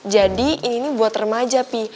jadi ini buat remaja pi